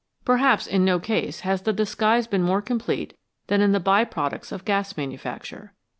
Perhaps in no case has the disguise been more complete than in the by products of gas manufacture.